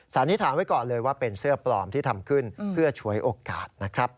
สันนิษฐานไว้ก่อนเลยว่าเป็นเสื้อปลอมที่ทำขึ้นเพื่อฉวยโอกาสนะครับ